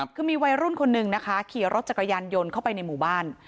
คือมีวัยรุ่นคนนึงนะคะขี่รถจักรยานยนต์เข้าไปในหมู่บ้าน